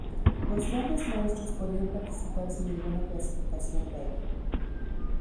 Los Grandes Maestros podían participar sin ninguna clasificación previa.